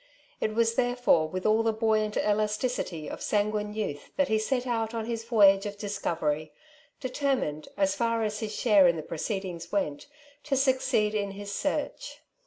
It was therefore with all the buovant elas . ticity of sanguine youth that he set out on his voyage of discovery, determined, as far as his share in the proceedings went, to succeed in his search.